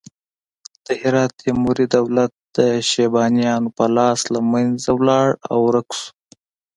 د هرات تیموري دولت د شیبانیانو په لاس له منځه لاړ او ورک شو.